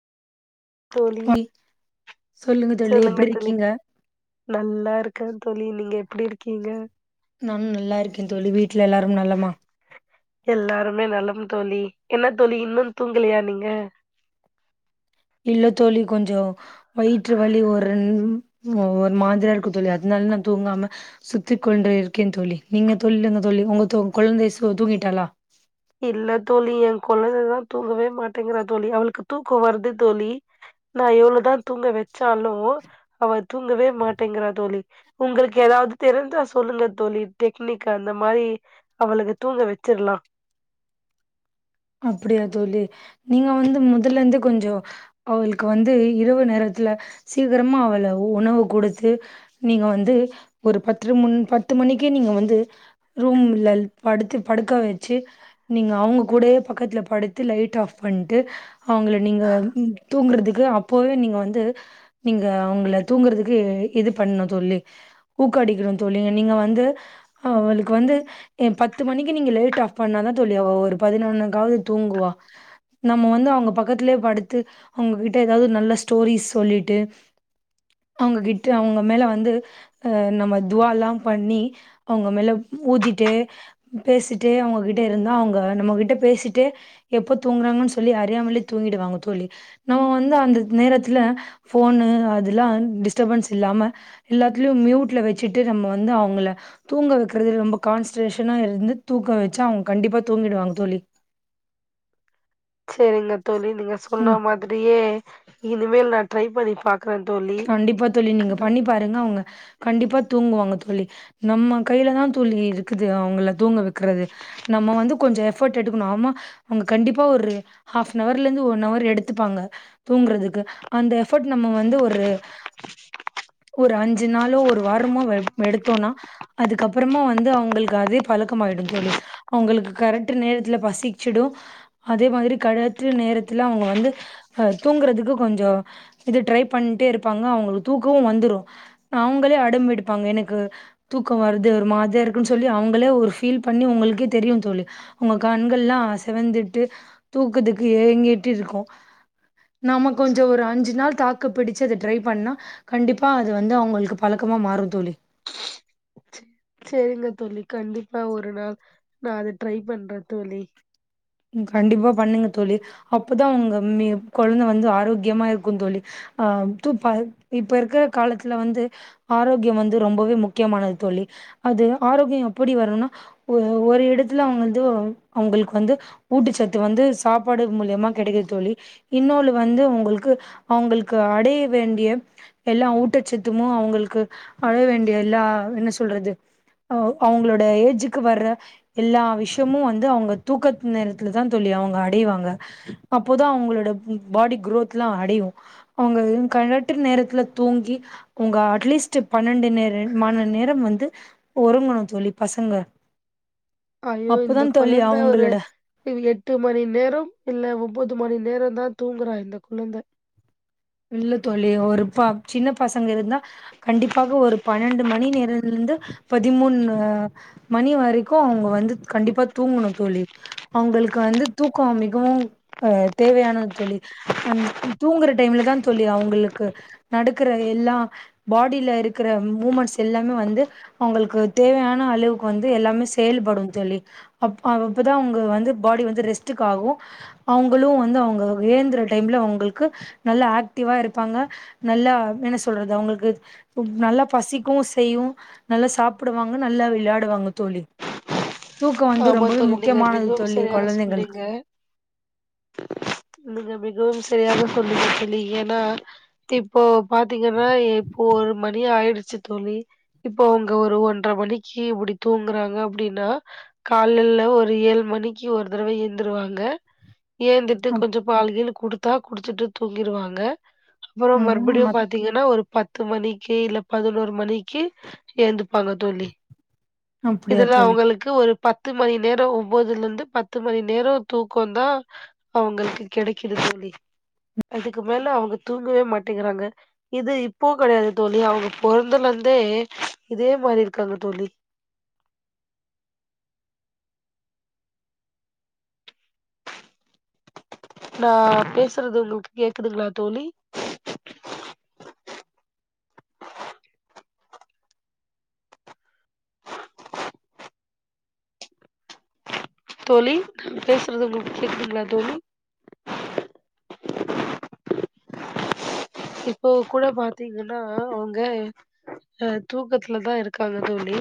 தோழி தோழி சொல்லுங்க எப்டி தோழி இருக்கீங்க நன்னா இருக்க தோழி நீங்க எப் எப்டி இருக்கீங்க நானு நல்லா இருக்கே தோழி வீட்ல எல்லாரும் நலமா எல்லாருமே நலம் தோழி என்ன தோழி இன்னு தூங்கலையா நீங்க இல்ல தோழி கொஞ்சோ வயிற்று வலி ஒரு ரெண் ஒரு மாதிரியா இருக்கு தோழி அதனால நா தூங்காம சுத்திக் கொண்டு இருக்கே தோழி நீங்க தொல்லுங்க தோழி ஒங்க தொ கொழந்தை சு தூங்கிட்டாளா இல்ல தோழி எ கொழந்த தா தூங்கவே மாட்டேங்கிறா தோழி அவளுக்கு தூக்கோ வருது தோழி நா எவ்ள தா தூங்க வெச்சாலு அவ தூங்கவே மாட்டேங்கிறா தோழி உங்களுக்கு ஏதாவது தெரிஞ்சா சொல்லுங்க தோழி டெக்னிக் அந்த மாரி அவளுக்கு தூங்க வச்சிர்லா அப்டியா தோழி நீங்க வந்து முதலந்தே கொஞ்சோ அவளுக்கு வந்து இரவு நேரத்துல சீக்கிரமா அவள உணவு கொடுத்து நீங்க வந்து ஒரு பத்து முன் பத்து மணிக்கே நீங்க வந்து ரூம்ல படுத்து படுக்க வச்சு நீங்க அவங்க கூடயே பக்கத்ல படுத்து லைட் ஆஃப் பண்ட்டு அவங்கள நீங்க தூங்குறதுக்கு அப் அப்போவே நீங்க வந்து நீங்க அவங்கள தூங்குறதுக்கு இது பண்ணு தோழி ஊக்க அடிக்கணு தோழி நீங்க வந்து அவளுக்கு வந்து ஏ பத்து மணிக்கு நீங்க லைட் ஆஃப் பண்ணா தா தோழி அவ ஒரு பதினொன்னு காவாது தூங்குவா நம்ம வந்து அவங்க பக்கத்துலே படுத்து அவங்ககிட்ட ஏதாவது நல்ல ஸ்டோரிஸ் சொல்லிட்டு அவங்க கிட்ட அவங்க மேல வந்து நம்ம துவாலா பண்ணி அவங்க மேல ஊதிட்டு பேசிட்டு அவங்க கிட்ட இருந்தா அவங்க நம்ம கிட்ட பேசி திட்டு எப்ப தூங்குறாங்கன் சொல்லி அறியாமலே தூங்கிடுவாங்க தோழி நம்ம வந்து அந்த நேரத்துல ஃபோனு அதுலா டிஸ்டபன்ஸ் இல்லாம எல்லாத்துலயு மியூட்ல வச்சுட்டு நம்ம வந்து அவங்கள தூங்க வைக்குறது ரொம்ப கான்ஸ்ரேஷனா இருந்து தூங்க வச்சு அவங்க கண்டிப்பா தூங்கிடுவாங்க தோழி செரிங்கத் தோழி நீங்க ம். சொன்னா மாதிரியே இனிமே நா ட்ரை பண்ணி பாக் கண்டிப்பா தோழி நீங்க பண்ணி பாருங்க அவங்க கண்டிப்பா தூங்குவாங்க தோழி நம்ம கையில தா தோழி இருக்குது அவங்கள தூங்க வைக் கிறது நம்ம வந்து கொஞ்சோ எஃபோட் எடுக்கணு ஆமா அவங்க கண்டிப்பா ஒரு ஆஃப் ஹவர்ல இருந்து ஒன்ஹவர் எடுத்துப்பாங்க தூங்கறதுக்கு அந்த எஃபோட் நம்ம வந்து ஒ ஒரு ஒரு அஞ்சு நாளோ ஒரு வாரமோ வ எடுத்தோனா அதுக்கப்பறமா வந்து அவங்களுக்கு அதே பழக்கமாயிடு தோழி அவங்களுக்கு கரெட்டு நேரத்துல பசிச்சிடு அதே மாதிரி கரேட்டு நேரத்துல அவங்க வந்து அ தூங்குறதுக்கு கொஞ்சோ இது ட்ரை பண்ட்டே இருப்பாங்க அவங்களுக்கு தூக்கோவு வந்துரு அவங்களே அடம்புடிப்பாங்க எனக்கு தூக்கோ வருது ஒரு மாதிரி இருக்குன்னு சொல்லி அவங்களே ஒரு ஃபீல் பண்ணி உங்களுக்கே தெரியு தோழி உங்க கண்கள்லா சிவந்துட்டு தூக்கத்துக்கு ஏங்கிட்டு இருக்கு நாம கொஞ்சோ ஒரு அஞ்சு நாள் தாக் க்கு பிடிச்சது ட்ரை பண்ணா கண்டிப்பா அது வந்து அவங்களுக்கு பழக்கமா மாறு தோழி ச்சு செரிங்க தோழி கண்டிப்பா ஒரு நாள் நா அத ட்ரை பண்றே தோழி ம் கண்டிப்பாப் பண்ணுங்க தோழி அப்பதா அவங்க ம் நேய கொழந்த வந்து ஆரோக்கியமா இருக்கும் தோழி ஆ தூப்ப இப்ப இருக்கிற காலத்துல வந்து ஆரோக்கியம் வந்து ரொம்பவே முக்கியமானது தோழி அது ஆரோக்கியம் எப்டி வரும்னா ஒரு ஒரு இடத்துல அவங்கந்து ஒ அவங்கள்க்கு வந்து ஊட்டச்சத்து வந்து சாப்பாடு மூலியமா கெடைக்குது தோழி இன்னொலு வந்து உங்களுக்கு அவங்களுக்கு அடைய வேண்டிய எல்லா ஊட்டச்சத்துமு அவங்களுக்கு அடைய வேண்டிய எல்லா என்ன சொல்றது அவ் அவங்களோட ஏஜுக்கு வர எல்லா விஷயமும் வந்து அவங்க தூக்கத் நேரத்துலதா தோழி அவங்க அடைவாங்க அப்போதா அவங்களோட ப் பாடி குரோத்லா அடையு அவங்க கரேட்டு நேரத்துல தூங்கி அவங்க அட்லீஸ்ட் பன்னெண்டு நேர மாண நேரம் வந்து ஒரங்கணு தோழி பசங்க ஐயோ அப்போதா இந்த தோழி கொழந்த ஒரு அவங்களோட இவ் எட்டு மணி நேரோம் இல்ல ஒம்போது மணி நேரோ தா தூங்குறா இந்த கொழந்த இல்ல தோழி ஒரு ப சின்ன பசங்க இருந்தா கண்டிப்பாக ஒரு பன்னெண்டு மணி நேரலிருந்து பதிமூணு மணி வரைக்கு அவங்க வந்து கண்டிப்பா தூங்கணு தோழி அவங்களுக்கு வந்து தூக்கோ மிகவும் அ தேவையானது தோழி அந் தூங்குற டைம்லதா தோழி அவங்களுக்கு நடக்கற எல்லா பாடியில இருக்குற மூமெண்ட்ஸ் எல்லாம வந்து அவங்களுக்கு தேவையான அளவுக்கு வந்து எல்லாமே செயல்படும் தோழி அப்பவ் அப்பதா அவங்க வந்து பாடி வந்து ரெஸ்ட்டுக்கு ஆகு அவங்களு வந்து அவங்க ஏந்துற டைம்ல அவங்களுக்கு நல்லா ஆக்டிவா இருப்பாங்க நல்லா என்ன சொல்றது அவங்களுக்கு ம் நல்லா பசிக்கு செய்யு நல்லா சாப்புடுவாங்க நல்லா விளையாடுவாங்க தோழி தூக்கோ வந்து ஆமா ரொம்பவே தோழி நீங்க முக்கியமானது மிகவும் தோழி சரியாக கொழந்தைங்களுக்கு சொன்னீங்க நீங்க மிகவும் ஸ் சரியாக சொன்னீங்க தோழி ஏன்னா இப்போ பாத் தீங்கனா இப்போ ஒரு மணி ஆயிடுச் ச்சு தோழி இப்போ அவ்ங்க ஒரு ஒன்ற மணிக்கி இப்புடி தூங்குறாங்க அப்புடின்னா காலல்ல ஒரு ஏழு மணிக்கி ஒரு தடவ எந்துருவாங்க ஏந்துட்டு அப் கொஞ்சம் பால்கீழு குடுத்தா குடிச்சுட்டு தூங்கிருவாங்க அப்புறோ ம் ஆமா மறுபடியும் பாத்தீங்கனா ஒரு பத் பத்து மணிக்கு இல்ல பதினோரு மணிக்கு சேந்துப்பாங்க தோழி அப்டியா இதெல்லா தோழி அவுங்களுக்கு ஒரு பத்து மணி நேரோ ஒம்போதுலிருந்து பத்து மணி நேரோ தூக்கோந்தா அவுங்களுக்கு கெடைக்குது தோழி அதுக்கு மேல அவுங்க தூங்கவே மாட்டேங்குறாங்க இது இப்போ கெடயாது தோழி அவுங்க பொறந்ததிலிந்தே இதே மாரி இருக்காங்க தோழி நா பேசுறது உங்களுக்கு கேக்குதுங்களா தோழி தோழி பேசுறது உங்களுக்கு கேக்குதுங்களா தோழி இப்போ கூட பாத்தீங்குனா அவுங்க அ தூக்கத்துலதா இருக்காங்க தோழி